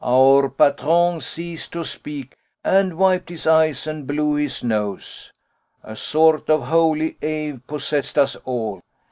Our patron ceased to speak, and wiped his eyes and blew his nose. A sort of holy awe possessed us all.